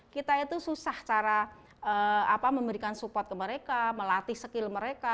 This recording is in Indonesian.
kita itu susah cara memberikan support ke mereka melatih skill mereka